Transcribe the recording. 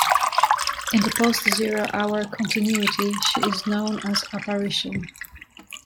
In the Post-Zero Hour continuity, she is known as Apparition.